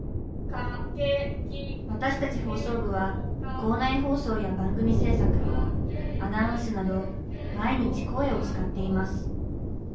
私たち放送部は校内放送や番組制作アナウンスなど毎日声を使っています。